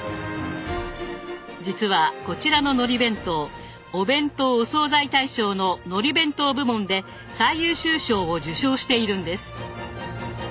実はこちらののり弁当「お弁当・お惣菜大賞」ののり弁当部門で最優秀賞を受賞しているんです。